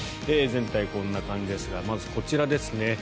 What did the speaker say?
全体こんな感じですがまず、こちらですね。